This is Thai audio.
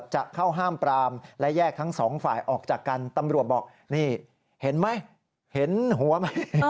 เห็นหัวเป็นตรงของเรากันบ้างไหม